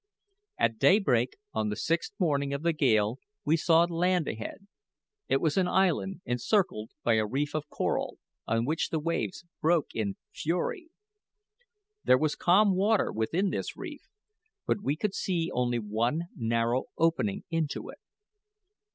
At daybreak on the sixth morning of the gale we saw land ahead; it was an island encircled by a reef of coral, on which the waves broke in fury. There was calm water within this reef, but we could see only one narrow opening into it.